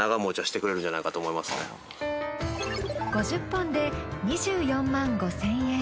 ５０本で２４５，０００円。